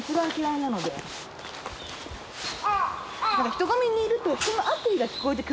人混みにいると人の悪意が聞こえてくるような。